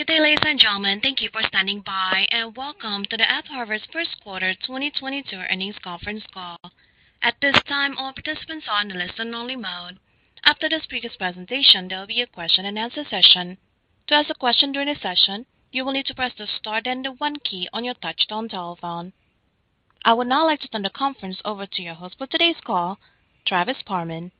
Good day, ladies and gentlemen. Thank you for standing by, and welcome to the AppHarvest First Quarter 2022 Earnings Conference Call. At this time, all participants are in a listen-only mode. After the speaker's presentation, there will be a question-and-answer session. To ask a question during the session, you will need to press the star then the one key on your touchtone telephone. I would now like to turn the conference over to your host for today's call, Travis Parman.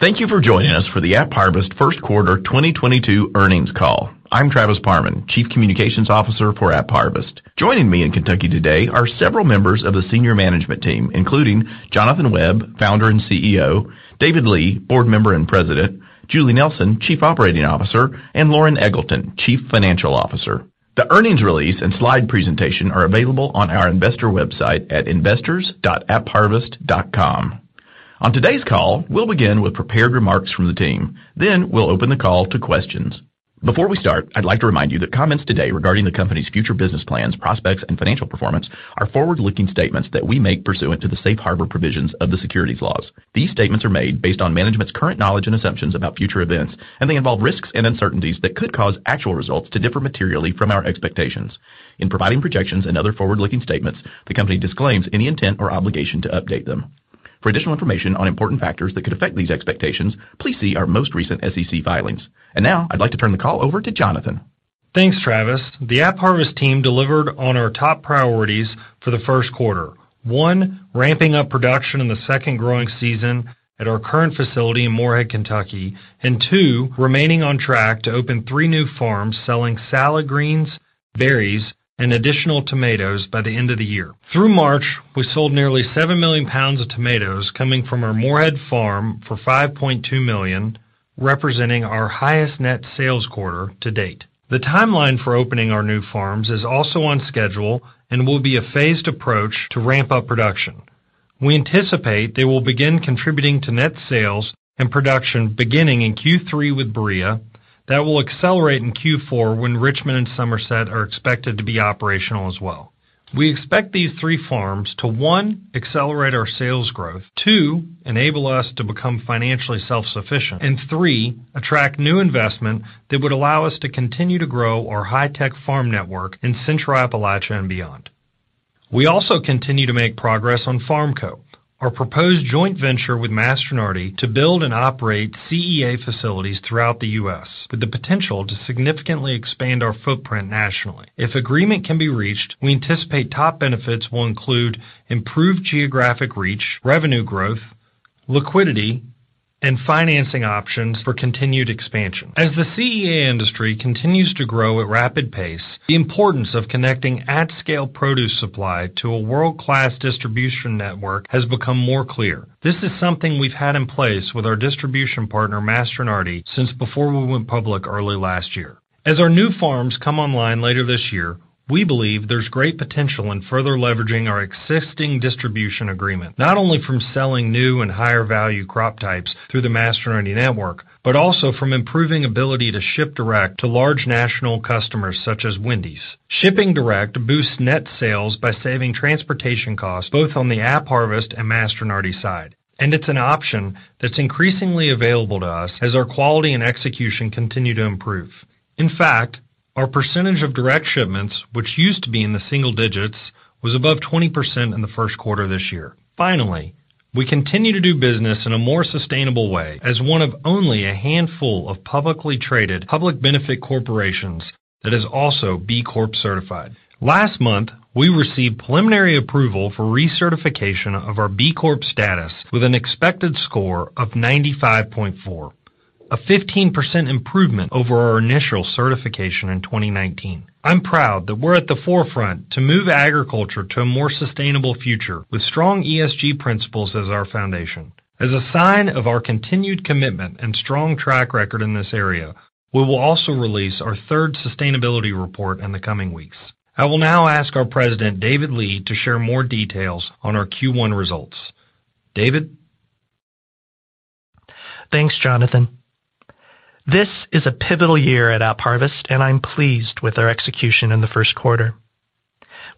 Thank you for joining us for the AppHarvest First Quarter 2022 Earnings Call. I'm Travis Parman, Chief Communications Officer for AppHarvest. Joining me in Kentucky today are several members of the senior management team, including Jonathan Webb, Founder and CEO, David Lee, Board Member and President, Julie Nelson, Chief Operating Officer, and Loren Eggleton, Chief Financial Officer. The earnings release and slide presentation are available on our investor website at investors.appharvest.com. On today's call, we'll begin with prepared remarks from the team, then we'll open the call to questions. Before we start, I'd like to remind you that comments today regarding the company's future business plans, prospects, and financial performance are forward-looking statements that we make pursuant to the safe harbor provisions of the securities laws. These statements are made based on management's current knowledge and assumptions about future events, and they involve risks and uncertainties that could cause actual results to differ materially from our expectations. In providing projections and other forward-looking statements, the company disclaims any intent or obligation to update them. For additional information on important factors that could affect these expectations, please see our most recent SEC filings. Now I'd like to turn the call over to Jonathan. Thanks, Travis. The AppHarvest team delivered on our top priorities for the first quarter. One, ramping up production in the second growing season at our current facility in Morehead, Kentucky. Two, remaining on track to open three new farms selling salad greens, berries, and additional tomatoes by the end of the year. Through March, we sold nearly 7 million pounds of tomatoes coming from our Morehead Farm for $5.2 million, representing our highest net sales quarter to date. The timeline for opening our new farms is also on schedule and will be a phased approach to ramp up production. We anticipate they will begin contributing to net sales and production beginning in Q3 with Berea. That will accelerate in Q4 when Richmond and Somerset are expected to be operational as well. We expect these three farms to, one, accelerate our sales growth. Two, enable us to become financially self-sufficient. Three, attract new investment that would allow us to continue to grow our high-tech farm network in Central Appalachia and beyond. We also continue to make progress on FarmCo, our proposed joint venture with Mastronardi to build and operate CEA facilities throughout the U.S., with the potential to significantly expand our footprint nationally. If agreement can be reached, we anticipate top benefits will include improved geographic reach, revenue growth, liquidity, and financing options for continued expansion. As the CEA industry continues to grow at rapid pace, the importance of connecting at-scale produce supply to a world-class distribution network has become more clear. This is something we've had in place with our distribution partner, Mastronardi, since before we went public early last year. As our new farms come online later this year, we believe there's great potential in further leveraging our existing distribution agreement, not only from selling new and higher value crop types through the Mastronardi network, but also from improving ability to ship direct to large national customers such as Wendy's. Shipping direct boosts net sales by saving transportation costs both on the AppHarvest and Mastronardi side. It's an option that's increasingly available to us as our quality and execution continue to improve. In fact, our percentage of direct shipments, which used to be in the single digits, was above 20% in the first quarter this year. Finally, we continue to do business in a more sustainable way as one of only a handful of publicly traded public benefit corporations that is also B Corp certified. Last month, we received preliminary approval for recertification of our B Corp status with an expected score of 95.4, a 15% improvement over our initial certification in 2019. I'm proud that we're at the forefront to move agriculture to a more sustainable future with strong ESG principles as our foundation. As a sign of our continued commitment and strong track record in this area, we will also release our third sustainability report in the coming weeks. I will now ask our President, David Lee, to share more details on our Q1 results. David? Thanks, Jonathan. This is a pivotal year at AppHarvest, and I'm pleased with our execution in the first quarter.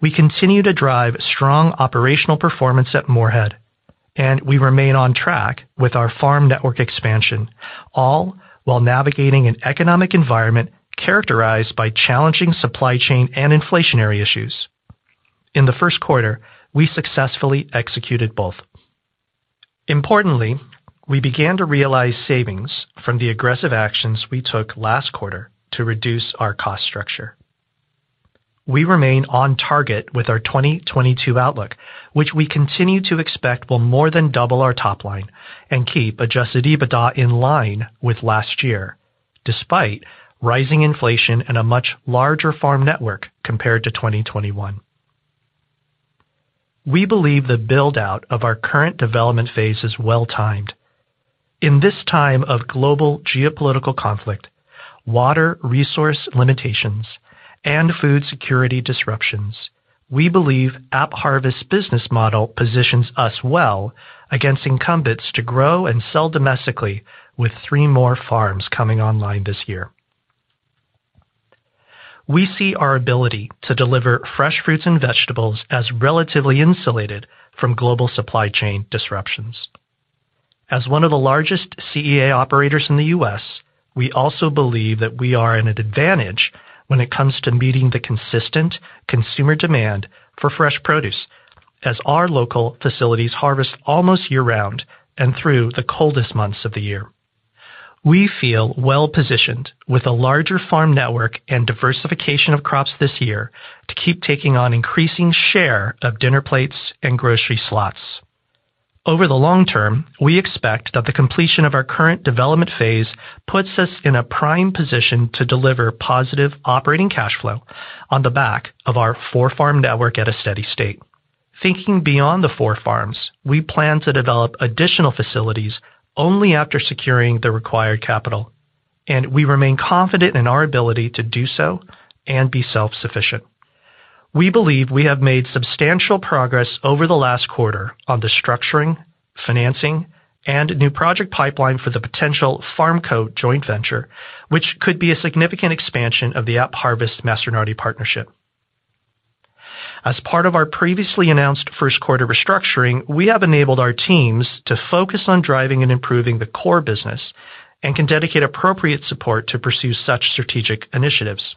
We continue to drive strong operational performance at Morehead, and we remain on track with our farm network expansion, all while navigating an economic environment characterized by challenging supply chain and inflationary issues. In the first quarter, we successfully executed both. Importantly, we began to realize savings from the aggressive actions we took last quarter to reduce our cost structure. We remain on target with our 2022 outlook, which we continue to expect will more than double our top line and keep adjusted EBITDA in line with last year, despite rising inflation and a much larger farm network compared to 2021. We believe the build-out of our current development phase is well timed. In this time of global geopolitical conflict, water resource limitations, and food security disruptions, we believe AppHarvest business model positions us well against incumbents to grow and sell domestically with three more farms coming online this year. We see our ability to deliver fresh fruits and vegetables as relatively insulated from global supply chain disruptions. As one of the largest CEA operators in the U.S., we also believe that we are in an advantage when it comes to meeting the consistent consumer demand for fresh produce as our local facilities harvest almost year-round and through the coldest months of the year. We feel well-positioned with a larger farm network and diversification of crops this year to keep taking on increasing share of dinner plates and grocery slots. Over the long term, we expect that the completion of our current development phase puts us in a prime position to deliver positive operating cash flow on the back of our four-farm network at a steady state. Thinking beyond the four farms, we plan to develop additional facilities only after securing the required capital, and we remain confident in our ability to do so and be self-sufficient. We believe we have made substantial progress over the last quarter on the structuring, financing, and new project pipeline for the potential FarmCo joint venture, which could be a significant expansion of the AppHarvest Mastronardi partnership. As part of our previously announced first quarter restructuring, we have enabled our teams to focus on driving and improving the core business and can dedicate appropriate support to pursue such strategic initiatives.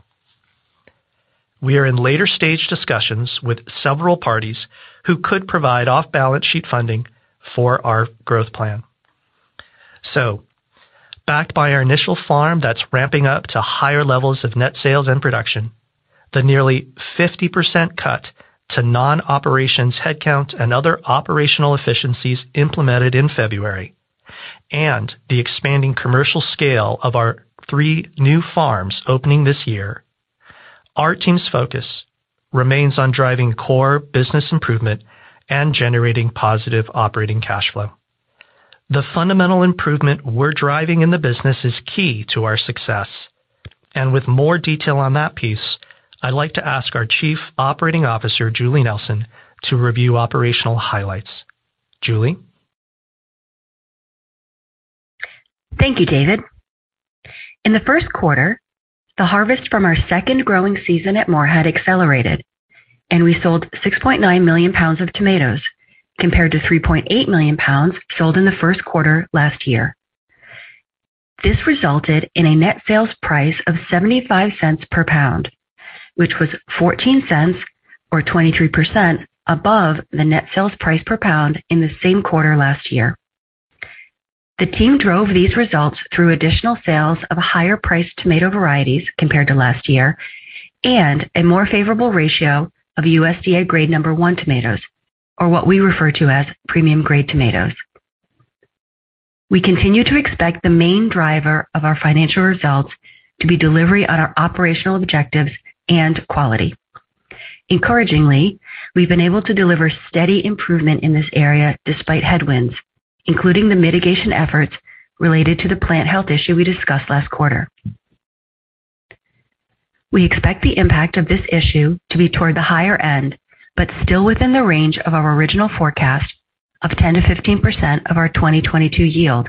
We are in later stage discussions with several parties who could provide off-balance sheet funding for our growth plan. Backed by our initial farm that's ramping up to higher levels of net sales and production, the nearly 50% cut to non-operations headcount and other operational efficiencies implemented in February, and the expanding commercial scale of our three new farms opening this year. Our team's focus remains on driving core business improvement and generating positive operating cash flow. The fundamental improvement we're driving in the business is key to our success, and with more detail on that piece, I'd like to ask our Chief Operating Officer, Julie Nelson, to review operational highlights. Julie. Thank you, David. In the first quarter, the harvest from our second growing season at Morehead accelerated, and we sold 6.9 million pounds of tomatoes compared to 3.8 million pounds sold in the first quarter last year. This resulted in a net sales price of $0.75 per pound, which was $0.14 or 23% above the net sales price per pound in the same quarter last year. The team drove these results through additional sales of higher priced tomato varieties compared to last year, and a more favorable ratio of USDA Grade number one tomatoes, or what we refer to as premium-grade tomatoes. We continue to expect the main driver of our financial results to be delivery on our operational objectives and quality. Encouragingly, we've been able to deliver steady improvement in this area despite headwinds, including the mitigation efforts related to the plant health issue we discussed last quarter. We expect the impact of this issue to be toward the higher end, but still within the range of our original forecast of 10%-15% of our 2022 yield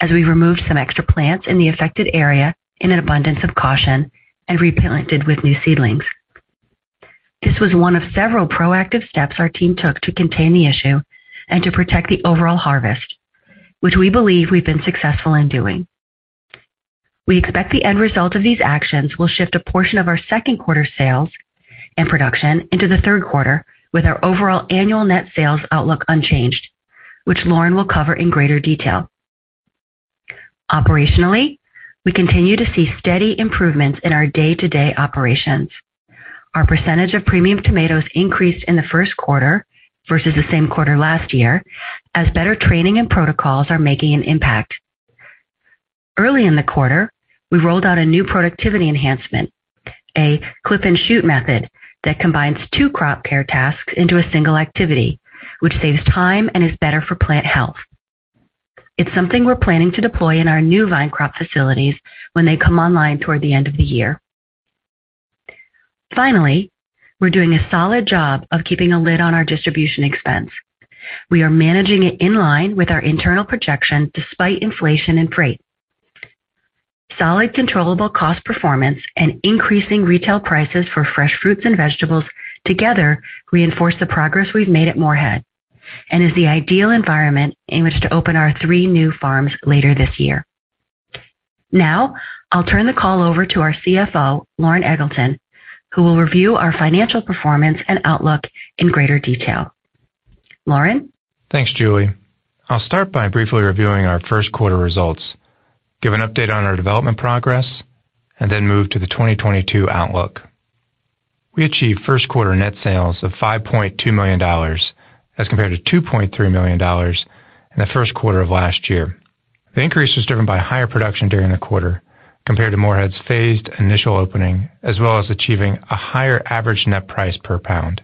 as we removed some extra plants in the affected area in an abundance of caution and replanted with new seedlings. This was one of several proactive steps our team took to contain the issue and to protect the overall harvest, which we believe we've been successful in doing. We expect the end result of these actions will shift a portion of our second quarter sales and production into the third quarter with our overall annual net sales outlook unchanged, which Loren will cover in greater detail. Operationally, we continue to see steady improvements in our day-to-day operations. Our percentage of premium tomatoes increased in the first quarter versus the same quarter last year as better training and protocols are making an impact. Early in the quarter, we rolled out a new productivity enhancement, a clip and shoot method that combines two crop care tasks into a single activity, which saves time and is better for plant health. It's something we're planning to deploy in our new vine crop facilities when they come online toward the end of the year. Finally, we're doing a solid job of keeping a lid on our distribution expense. We are managing it in line with our internal projection despite inflation and freight. Solid, controllable cost performance and increasing retail prices for fresh fruits and vegetables together reinforce the progress we've made at Morehead and is the ideal environment in which to open our three new farms later this year. Now, I'll turn the call over to our CFO, Loren Eggleton, who will review our financial performance and outlook in greater detail. Loren. Thanks, Julie. I'll start by briefly reviewing our first quarter results, give an update on our development progress, and then move to the 2022 outlook. We achieved first quarter net sales of $5.2 million as compared to $2.3 million in the first quarter of last year. The increase was driven by higher production during the quarter compared to Morehead's phased initial opening, as well as achieving a higher average net price per pound.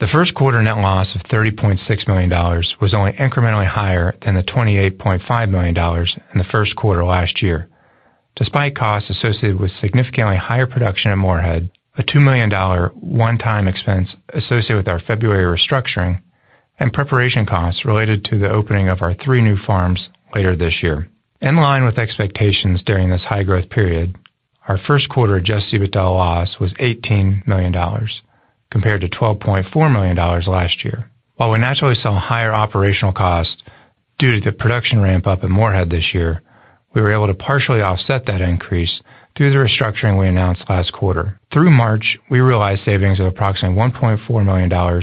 The first quarter net loss of $30.6 million was only incrementally higher than the $28.5 million in the first quarter last year. Despite costs associated with significantly higher production at Morehead, a $2 million one-time expense associated with our February restructuring Preparation costs related to the opening of our three new farms later this year. In line with expectations during this high growth period, our first quarter adjusted EBITDA loss was $18 million compared to $12.4 million last year. While we naturally saw higher operational costs due to the production ramp up in Morehead this year, we were able to partially offset that increase through the restructuring we announced last quarter. Through March, we realized savings of approximately $1.4 million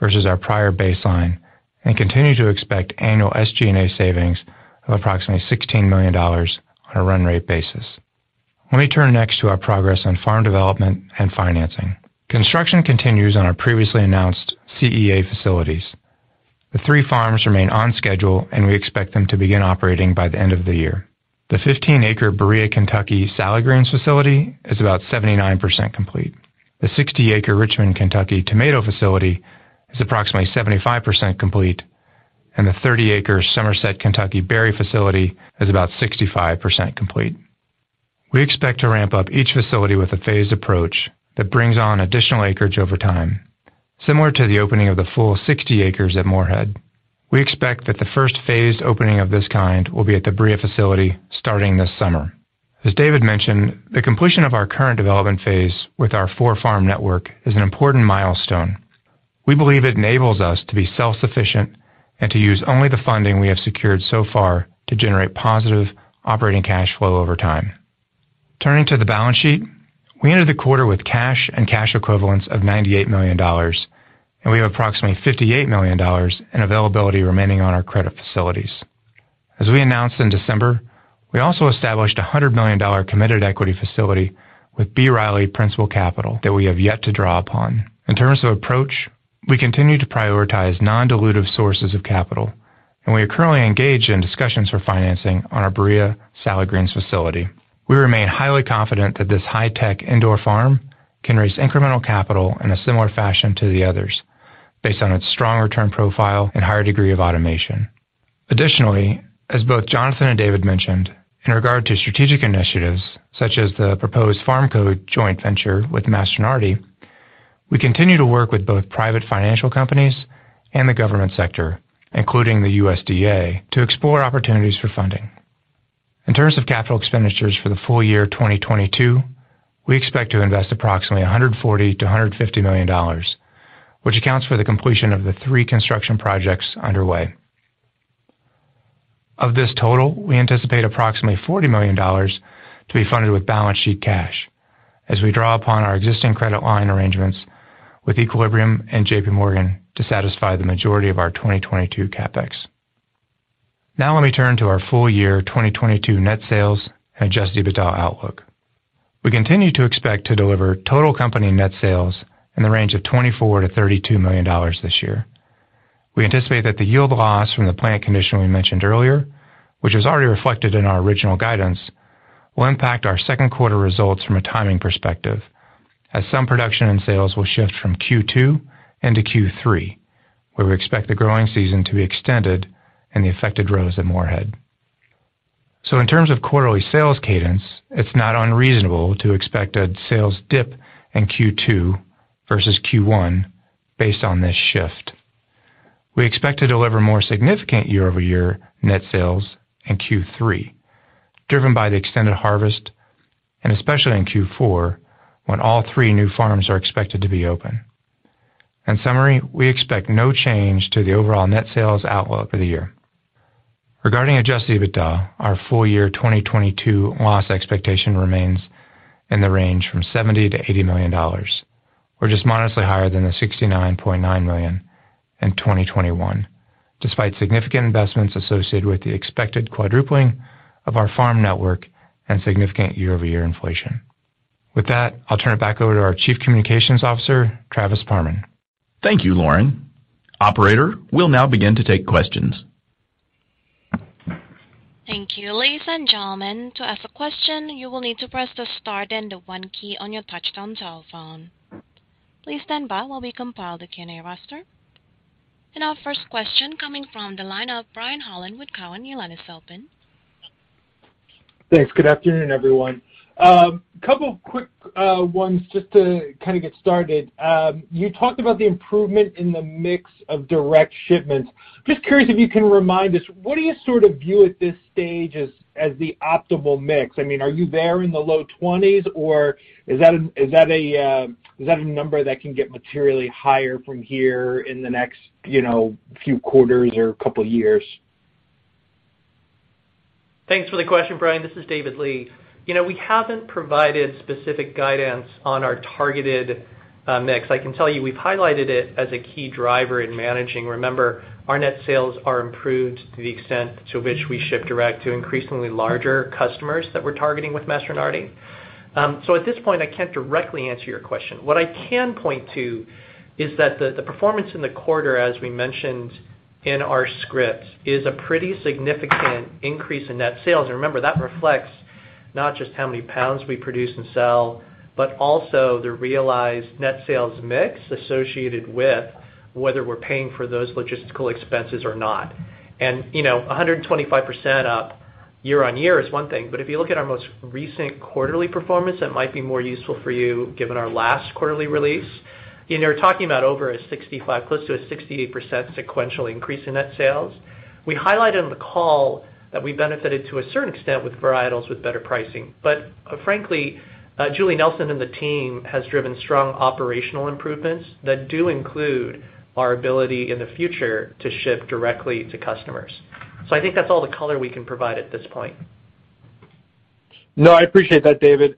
versus our prior baseline and continue to expect annual SG&A savings of approximately $16 million on a run rate basis. Let me turn next to our progress on farm development and financing. Construction continues on our previously announced CEA facilities. The three farms remain on schedule, and we expect them to begin operating by the end of the year. The 15-acre Berea, Kentucky, salad greens facility is about 79% complete. The 60-acre Richmond, Kentucky, tomato facility is approximately 75% complete, and the 30-acre Somerset, Kentucky, berry facility is about 65% complete. We expect to ramp up each facility with a phased approach that brings on additional acreage over time. Similar to the opening of the full 60 acres at Morehead, we expect that the first phased opening of this kind will be at the Berea facility starting this summer. As David mentioned, the completion of our current development phase with our four-farm network is an important milestone. We believe it enables us to be self-sufficient and to use only the funding we have secured so far to generate positive operating cash flow over time. Turning to the balance sheet. We entered the quarter with cash and cash equivalents of $98 million, and we have approximately $58 million in availability remaining on our credit facilities. As we announced in December, we also established a $100 million committed equity facility with B. Riley Principal Capital that we have yet to draw upon. In terms of approach, we continue to prioritize non-dilutive sources of capital, and we are currently engaged in discussions for financing on our Berea salad greens facility. We remain highly confident that this high-tech indoor farm can raise incremental capital in a similar fashion to the others based on its strong return profile and higher degree of automation. Additionally, as both Jonathan and David mentioned, in regard to strategic initiatives such as the proposed FarmCo joint venture with Mastronardi, we continue to work with both private financial companies and the government sector, including the USDA, to explore opportunities for funding. In terms of capital expenditures for the full year 2022, we expect to invest approximately $140 million-$150 million, which accounts for the completion of the three construction projects underway. Of this total, we anticipate approximately $40 million to be funded with balance sheet cash as we draw upon our existing credit line arrangements with Equilibrium and JPMorgan to satisfy the majority of our 2022 CapEx. Now let me turn to our full year 2022 net sales and adjusted EBITDA outlook. We continue to expect to deliver total company net sales in the range of $24 million-$32 million this year. We anticipate that the yield loss from the plant condition we mentioned earlier, which is already reflected in our original guidance, will impact our second quarter results from a timing perspective, as some production and sales will shift from Q2 into Q3, where we expect the growing season to be extended in the affected rows at Morehead. In terms of quarterly sales cadence, it's not unreasonable to expect a sales dip in Q2 versus Q1 based on this shift. We expect to deliver more significant year-over-year net sales in Q3, driven by the extended harvest and especially in Q4, when all three new farms are expected to be open. In summary, we expect no change to the overall net sales outlook for the year. Regarding adjusted EBITDA, our full year 2022 loss expectation remains in the range from $70 million-$80 million. We're just modestly higher than the $69.9 million in 2021, despite significant investments associated with the expected quadrupling of our farm network and significant year-over-year inflation. With that, I'll turn it back over to our Chief Communications Officer, Travis Parman. Thank you, Loren. Operator, we'll now begin to take questions. Thank you. Ladies and gentlemen, to ask a question, you will need to press the star then the one key on your touchtone telephone. Please stand by while we compile the Q&A roster. Our first question coming from the line of Brian Holland with Cowen. Your line is open. Thanks. Good afternoon, everyone. A couple of quick ones just to kind of get started. You talked about the improvement in the mix of direct shipments. Just curious if you can remind us, what do you sort of view at this stage as the optimal mix? I mean, are you there in the low twenties, or is that a number that can get materially higher from here in the next, you know, few quarters or couple years? Thanks for the question, Brian. This is David Lee. You know, we haven't provided specific guidance on our targeted mix. I can tell you we've highlighted it as a key driver in managing. Remember, our net sales are improved to the extent to which we ship direct to increasingly larger customers that we're targeting with Mastronardi. So at this point, I can't directly answer your question. What I can point to is that the performance in the quarter, as we mentioned in our script, is a pretty significant increase in net sales. Remember, that reflects not just how many pounds we produce and sell, but also the realized net sales mix associated with whether we're paying for those logistical expenses or not. You know, 125% up Year on year is one thing, but if you look at our most recent quarterly performance, that might be more useful for you given our last quarterly release. You know, you're talking about over a 65, close to a 68% sequential increase in net sales. We highlighted on the call that we benefited to a certain extent with varietals with better pricing. Frankly, Julie Nelson and the team has driven strong operational improvements that do include our ability in the future to ship directly to customers. I think that's all the color we can provide at this point. No, I appreciate that, David.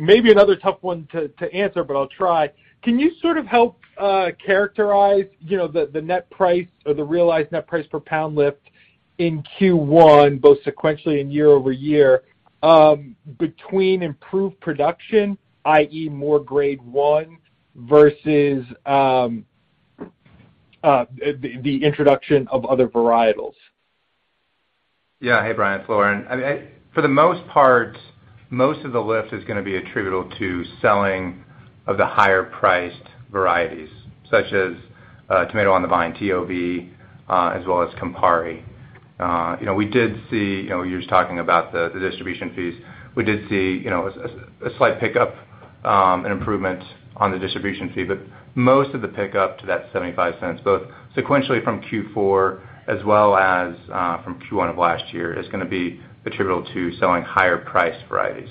Maybe another tough one to answer, but I'll try. Can you sort of help characterize the net price or the realized net price per pound lift in Q1, both sequentially and year-over-year, between improved production, i.e., more grade one, versus the introduction of other varietals? Yeah. Hey, Brian, it's Loren. I mean, for the most part, most of the lift is gonna be attributable to selling of the higher priced varieties, such as Tomato on the Vine, TOV, as well as Campari. You know, we did see. You know, you're talking about the distribution fees. We did see, you know, a slight pickup and improvement on the distribution fee. Most of the pickup to that $0.75, both sequentially from Q4 as well as from Q1 of last year, is gonna be attributable to selling higher priced varieties.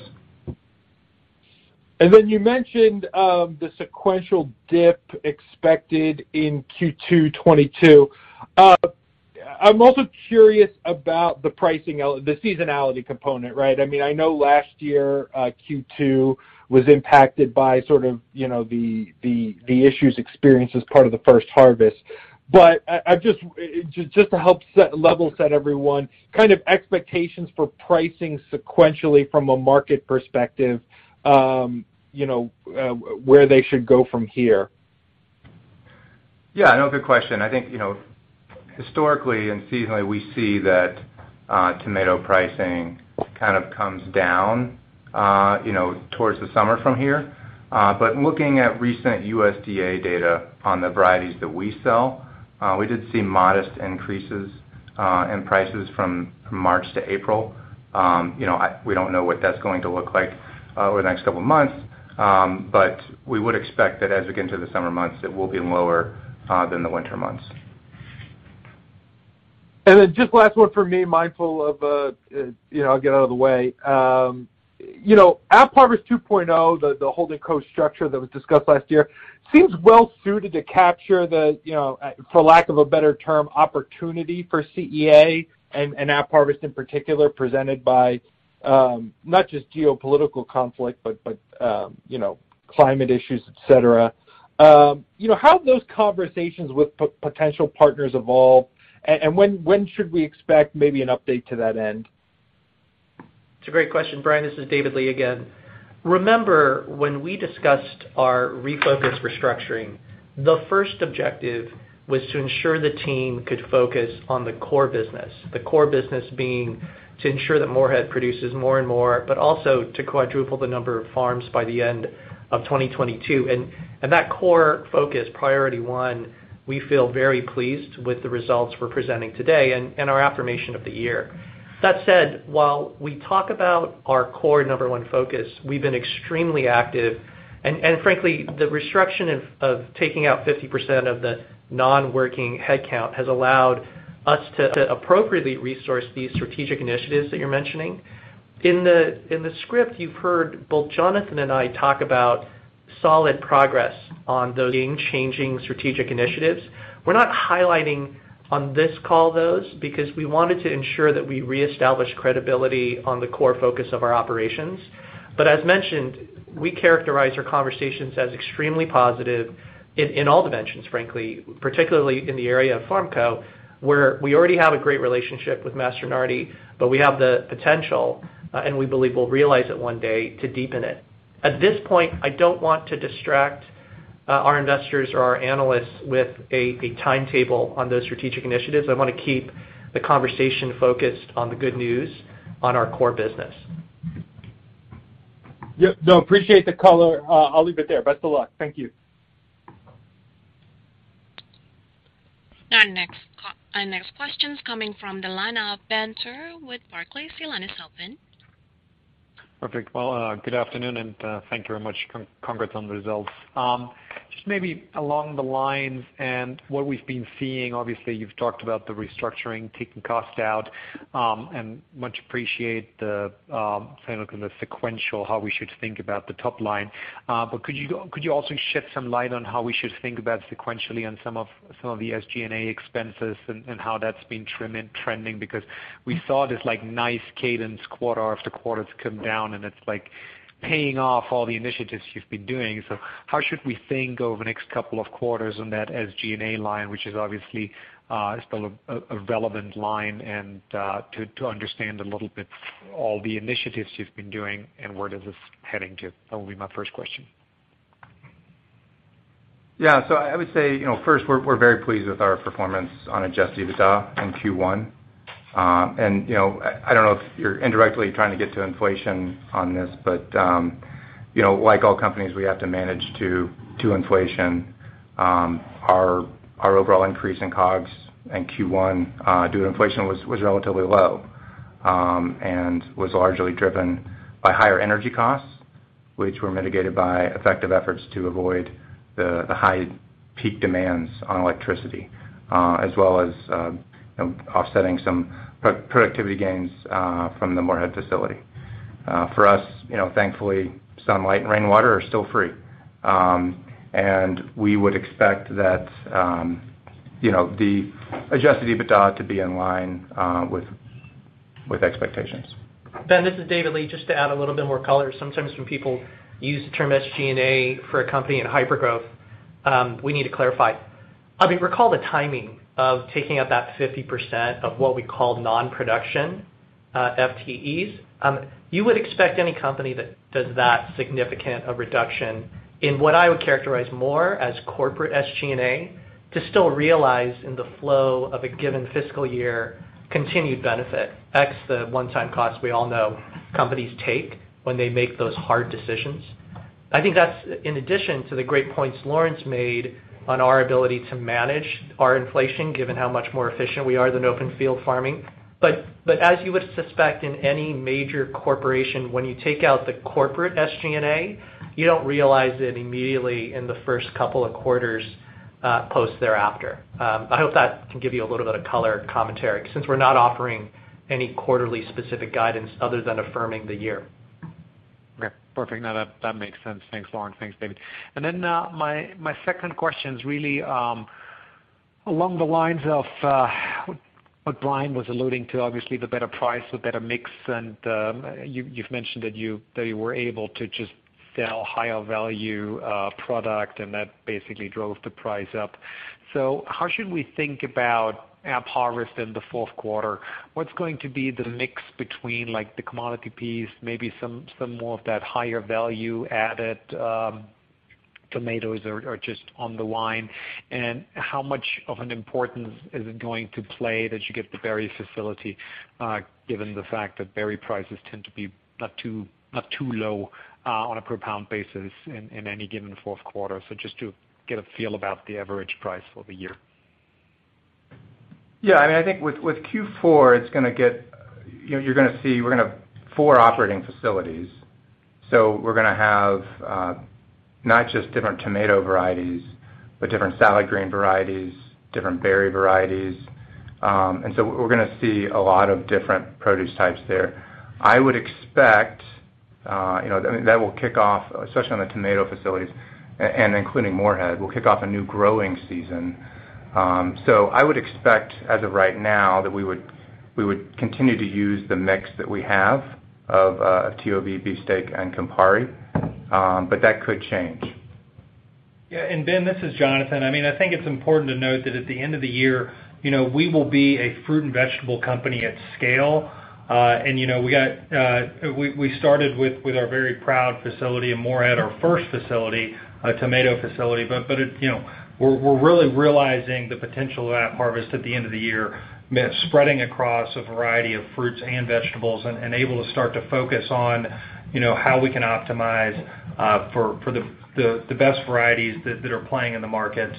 You mentioned the sequential dip expected in Q2 2022. I'm also curious about the seasonality component, right? I mean, I know last year Q2 was impacted by sort of, you know, the issues experienced as part of the first harvest. But just to help level set everyone, kind of expectations for pricing sequentially from a market perspective, you know, where they should go from here. Yeah, no, good question. I think, you know, historically and seasonally, we see that tomato pricing kind of comes down, you know, towards the summer from here. Looking at recent USDA data on the varieties that we sell, we did see modest increases in prices from March to April. You know, we don't know what that's going to look like over the next couple of months, but we would expect that as we get into the summer months, it will be lower than the winter months. Just last one for me, mindful of, you know, I'll get out of the way. You know, AppHarvest 2.0, the holding company structure that was discussed last year, seems well suited to capture the, you know, for lack of a better term, opportunity for CEA and AppHarvest in particular, presented by, not just geopolitical conflict, but, you know, climate issues, et cetera. You know, how have those conversations with potential partners evolved, and when should we expect maybe an update to that end? It's a great question. Brian, this is David Lee again. Remember when we discussed our refocus restructuring, the first objective was to ensure the team could focus on the core business, the core business being to ensure that Morehead produces more and more, but also to quadruple the number of farms by the end of 2022. That core focus, priority one, we feel very pleased with the results we're presenting today and our affirmation of the year. That said, while we talk about our core number one focus, we've been extremely active. Frankly, the restriction of taking out 50% of the non-working headcount has allowed us to appropriately resource these strategic initiatives that you're mentioning. In the script, you've heard both Jonathan and I talk about solid progress on those being changing strategic initiatives. We're not highlighting on this call those, because we wanted to ensure that we reestablish credibility on the core focus of our operations. As mentioned, we characterize our conversations as extremely positive in all dimensions, frankly, particularly in the area of FarmCo, where we already have a great relationship with Mastronardi, but we have the potential, and we believe we'll realize it one day, to deepen it. At this point, I don't want to distract our investors or our analysts with a timetable on those strategic initiatives. I wanna keep the conversation focused on the good news on our core business. Yep. No, appreciate the color. I'll leave it there. Best of luck. Thank you. Our next question's coming from the line of Ben Theurer with Barclays. Your line is open. Perfect. Well, good afternoon, and thank you very much. Congrats on the results. Just maybe along the lines and what we've been seeing, obviously, you've talked about the restructuring, taking cost out, and much appreciate the kind of the sequential, how we should think about the top line. But could you also shed some light on how we should think about sequentially on some of the SG&A expenses and how that's been trending? Because we saw this, like, nice cadence quarter after quarter to come down, and it's like paying off all the initiatives you've been doing. How should we think over the next couple of quarters on that SG&A line, which is obviously still a relevant line, and to understand a little bit all the initiatives you've been doing and where this is heading to? That will be my first question. Yeah. I would say, you know, first, we're very pleased with our performance on adjusted EBITDA in Q1. I don't know if you're indirectly trying to get to inflation on this, but, you know, like all companies, we have to manage to inflation. Our overall increase in COGS in Q1 due to inflation was relatively low, and was largely driven by higher energy costs, which were mitigated by effective efforts to avoid the high peak demands on electricity, as well as, you know, offsetting some productivity gains from the Morehead facility. For us, you know, thankfully, sunlight and rainwater are still free. We would expect that, you know, the adjusted EBITDA to be in line with expectations. Ben, this is David Lee. Just to add a little bit more color. Sometimes when people use the term SG&A for a company in hypergrowth, we need to clarify. I mean, recall the timing of taking out that 50% of what we call non-production FTEs. You would expect any company that does that significant a reduction in what I would characterize more as corporate SG&A to still realize in the flow of a given fiscal year continued benefit, ex the one-time cost we all know companies take when they make those hard decisions. I think that's in addition to the great points Loren Eggleton made on our ability to manage our inflation given how much more efficient we are than open field farming. As you would suspect in any major corporation, when you take out the corporate SG&A, you don't realize it immediately in the first couple of quarters post thereafter. I hope that can give you a little bit of color commentary since we're not offering any quarterly specific guidance other than affirming the year. Okay, perfect. No, that makes sense. Thanks, Loren Eggleton. Thanks, David Lee. My second question is really along the lines of what Brian Holland was alluding to, obviously the better price, the better mix, and you've mentioned that you were able to just sell higher value product, and that basically drove the price up. How should we think about AppHarvest in the fourth quarter? What's going to be the mix between like the commodity piece, maybe some more of that higher value added tomatoes or just on the vine? How much of an importance is it going to play as you get the berries facility, given the fact that berry prices tend to be not too low on a per pound basis in any given fourth quarter? Just to get a feel about the average price for the year. Yeah, I mean, I think with Q4, it's gonna get. You're gonna see we're gonna have four operating facilities. We're gonna have not just different tomato varieties, but different salad green varieties, different berry varieties. We're gonna see a lot of different produce types there. I would expect, you know, I mean, that will kick off, especially on the tomato facilities and including Morehead, will kick off a new growing season. I would expect as of right now that we would continue to use the mix that we have of TOV, Beefsteak, and Campari, but that could change. Yeah. Ben, this is Jonathan. I mean, I think it's important to note that at the end of the year, you know, we will be a fruit and vegetable company at scale. You know, we started with our very proud facility in Morehead, our first facility, a tomato facility. It, you know, we're really realizing the potential of AppHarvest at the end of the year, spreading across a variety of fruits and vegetables and able to start to focus on, you know, how we can optimize for the best varieties that are playing in the market.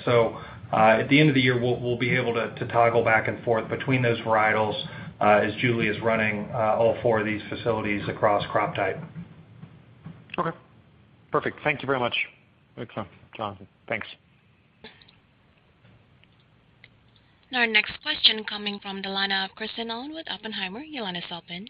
At the end of the year, we'll be able to toggle back and forth between those varietals, as Julie is running all four of these facilities across crop type. Okay. Perfect. Thank you very much. Yeah. Jonathan. Thanks. Our next question coming from the line of Kristen Owen with Oppenheimer. Your line is open.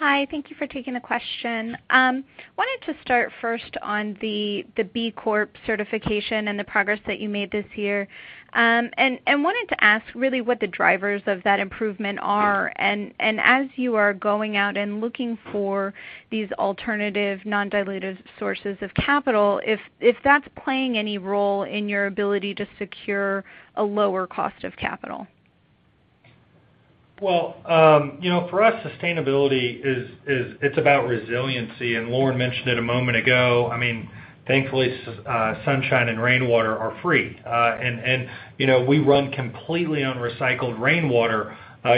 Hi. Thank you for taking the question. Wanted to start first on the B Corp Certification and the progress that you made this year. Wanted to ask really what the drivers of that improvement are. As you are going out and looking for these alternative non-dilutive sources of capital, if that's playing any role in your ability to secure a lower cost of capital. Well, you know, for us, sustainability is about resiliency, and Lauren mentioned it a moment ago. I mean, thankfully, sunshine and rainwater are free. You know, we run completely on recycled rainwater.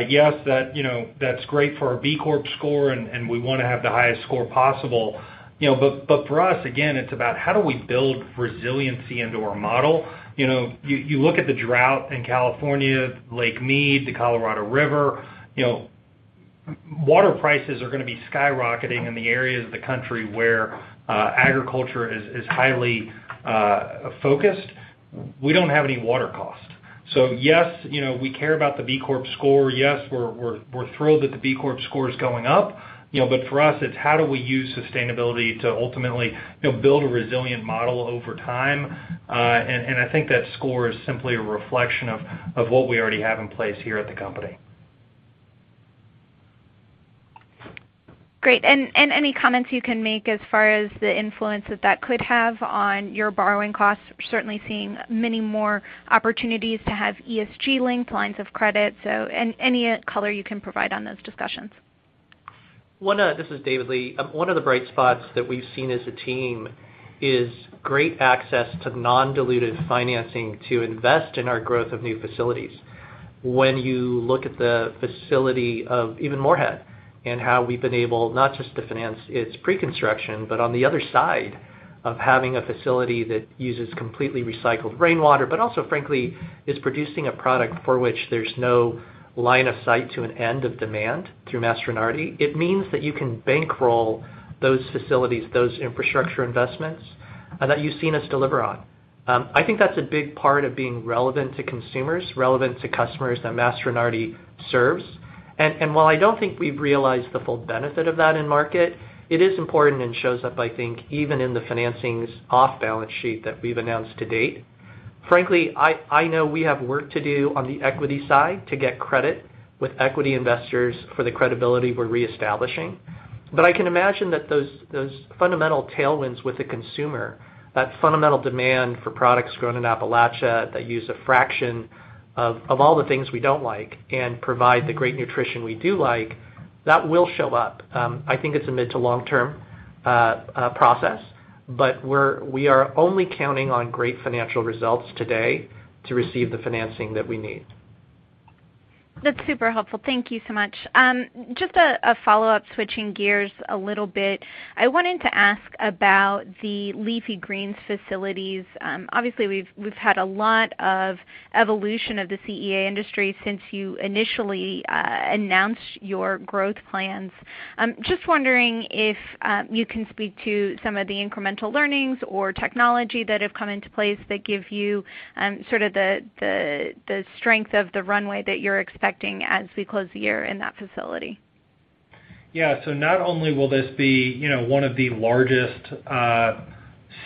Yes, that, you know, that's great for our B Corp score, and we wanna have the highest score possible. You know, for us, again, it's about how do we build resiliency into our model. You know, you look at the drought in California, Lake Mead, the Colorado River, you know, water prices are gonna be skyrocketing in the areas of the country where agriculture is highly focused. We don't have any water cost. Yes, you know, we care about the B Corp score. Yes, we're thrilled that the B Corp score is going up. You know, for us, it's how do we use sustainability to ultimately, you know, build a resilient model over time. I think that score is simply a reflection of what we already have in place here at the company. Great. Any comments you can make as far as the influence that that could have on your borrowing costs, certainly seeing many more opportunities to have ESG linked lines of credit. Any color you can provide on those discussions. This is David Lee. One of the bright spots that we've seen as a team is great access to non-dilutive financing to invest in our growth of new facilities. When you look at the facility in even Morehead and how we've been able not just to finance its pre-construction, but on the other side of having a facility that uses completely recycled rainwater, but also frankly, is producing a product for which there's no line of sight to an end of demand through Mastronardi, it means that you can bankroll those facilities, those infrastructure investments, that you've seen us deliver on. I think that's a big part of being relevant to consumers, relevant to customers that Mastronardi serves. While I don't think we've realized the full benefit of that in market, it is important and shows up, I think, even in the financings off balance sheet that we've announced to date. Frankly, I know we have work to do on the equity side to get credit with equity investors for the credibility we're reestablishing. I can imagine that those fundamental tailwinds with the consumer, that fundamental demand for products grown in Appalachia that use a fraction of all the things we don't like and provide the great nutrition we do like, that will show up. I think it's a mid to long-term process, but we are only counting on great financial results today to receive the financing that we need. That's super helpful. Thank you so much. Just a follow-up, switching gears a little bit. I wanted to ask about the leafy greens facilities. Obviously, we've had a lot of evolution of the CEA industry since you initially announced your growth plans. Just wondering if you can speak to some of the incremental learnings or technology that have come into place that give you sort of the strength of the runway that you're expecting as we close the year in that facility. Yeah. Not only will this be, you know, one of the largest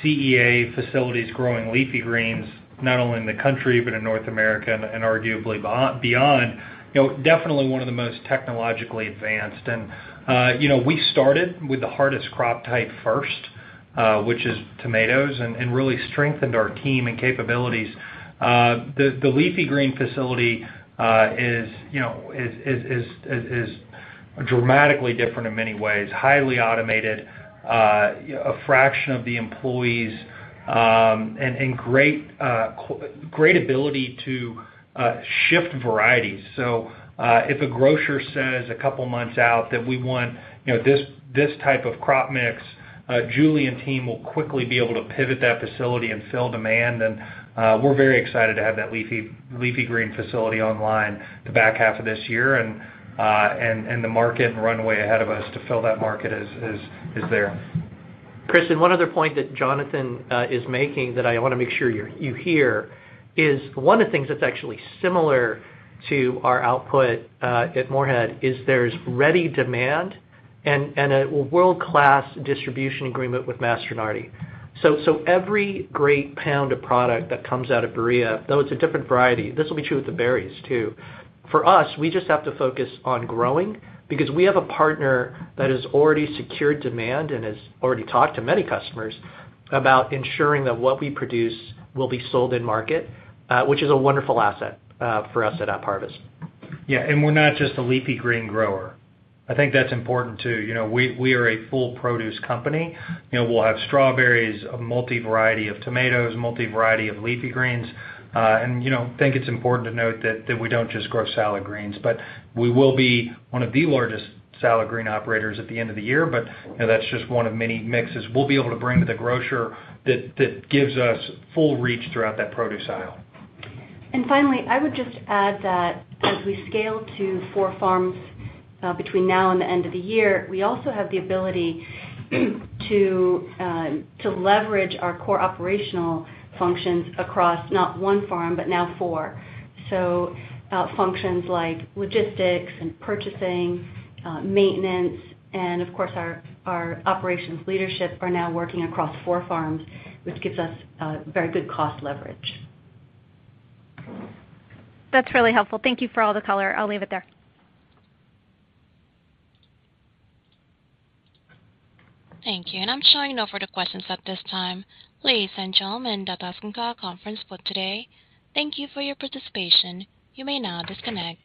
CEA facilities growing leafy greens, not only in the country, but in North America and arguably beyond, you know, definitely one of the most technologically advanced. We started with the hardest crop type first, which is tomatoes, and really strengthened our team and capabilities. The leafy green facility is, you know, dramatically different in many ways, highly automated, a fraction of the employees, and great ability to shift varieties. If a grocer says a couple months out that we want, you know, this type of crop mix, Julie and team will quickly be able to pivot that facility and fill demand. We're very excited to have that leafy green facility online in the back half of this year. The market and runway ahead of us to fill that market is there. Kristen, one other point that Jonathan is making that I wanna make sure you hear is one of the things that's actually similar to our output at Morehead is there's ready demand and a world-class distribution agreement with Mastronardi. Every great pound of product that comes out of Berea, though it's a different variety, this will be true with the berries, too. For us, we just have to focus on growing because we have a partner that has already secured demand and has already talked to many customers about ensuring that what we produce will be sold in market, which is a wonderful asset for us at AppHarvest. Yeah. We're not just a leafy green grower. I think that's important, too. You know, we are a full produce company. You know, we'll have strawberries, a multi-variety of tomatoes, multi-variety of leafy greens. You know, I think it's important to note that we don't just grow salad greens, but we will be one of the largest salad green operators at the end of the year. You know, that's just one of many mixes we'll be able to bring to the grocer that gives us full reach throughout that produce aisle. Finally, I would just add that as we scale to four farms, between now and the end of the year, we also have the ability to leverage our core operational functions across not 1 farm, but now 4. Functions like logistics and purchasing, maintenance, and of course, our operations leadership are now working across 4 farms, which gives us very good cost leverage. That's really helpful. Thank you for all the color. I'll leave it there. Thank you. I'm showing no further questions at this time. Ladies and gentlemen, that does conclude our conference call today. Thank you for your participation. You may now disconnect.